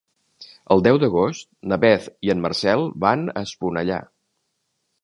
El deu d'agost na Beth i en Marcel van a Esponellà.